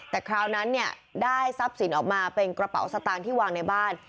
แต่คราวนั้นเนี่ยได้ทรัพย์สินออกมาเป็นกระเป๋าสตางค์ที่วางในบ้าน